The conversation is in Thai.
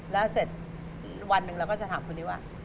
แล้วเสร็จวันหนึ่งเราก็จะถามคนนี้ว่า